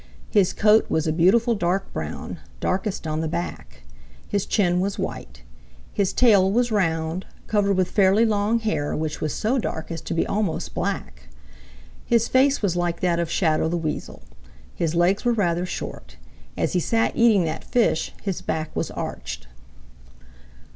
His coat was a beautiful dark brown, darkest on the back. His chin was white. His tail was round, covered with fairly long hair which was so dark as to be almost black. His face was like that of Shadow the Weasel. His legs were rather short. As he sat eating that fish, his back was arched.